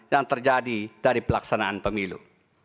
yang terjadi dari pelaksanaan pemilu